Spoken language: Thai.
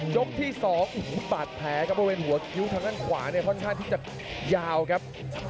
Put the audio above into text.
ยกที่๒บาดแผลครับบริเวณหัวคิ้วทางด้านขวาเนี่ยค่อนข้างที่จะยาวครับ